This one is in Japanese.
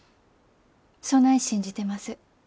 そない信じてます。